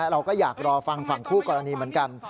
เราก็อยากรอฟังฝั่งคู่กรณีเหมือนกัน